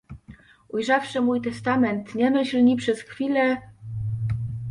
Ujrzawszy mój testament nie myśl ni przez chwilę…